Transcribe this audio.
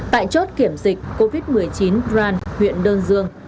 tại chốt kiểm dịch covid một mươi chín bran huyện đơn dương